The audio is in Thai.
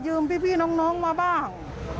พี่น้องมาบ้าง